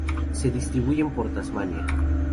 Se distribuyen por Tasmania.